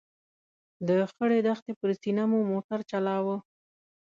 د خړې دښتې پر سینه مو موټر چلاوه.